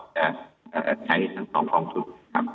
จะใช้ทาง๒รองจุด